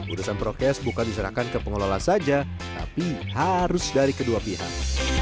urusan prokes bukan diserahkan ke pengelola saja tapi harus dari kedua pihak